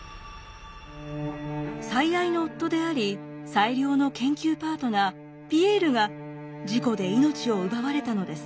最愛の夫であり最良の研究パートナーピエールが事故で命を奪われたのです。